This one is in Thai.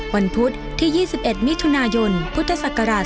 พุธที่๒๑มิถุนายนพุทธศักราช๒๕